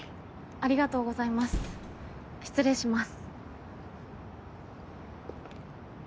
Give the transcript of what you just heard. ありがとうございます失礼します。